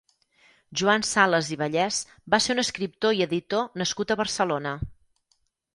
Joan Sales i Vallès va ser un escriptor i editor nascut a Barcelona.